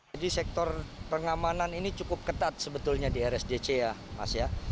jadi sektor pengamanan ini cukup ketat sebetulnya di rsdc ya mas ya